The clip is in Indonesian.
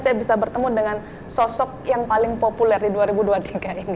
saya bisa bertemu dengan sosok yang paling populer di dua ribu dua puluh tiga ini